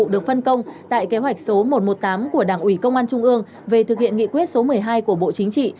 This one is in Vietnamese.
được phân công tại kế hoạch số một trăm một mươi tám của đảng ủy công an trung ương về thực hiện nghị quyết số một mươi hai của bộ chính trị